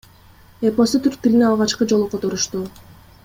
Эпосту түрк тилине алгачкы жолу которушту.